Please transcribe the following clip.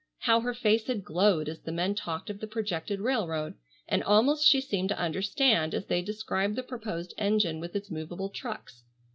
How her face had glowed as the men talked of the projected railroad, and almost she seemed to understand as they described the proposed engine with its movable trucks.